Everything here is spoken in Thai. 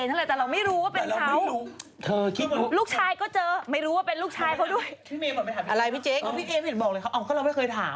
แต่เราไม่รู้ว่าเป็นเขา